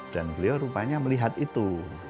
dan beliau rupanya melihat itu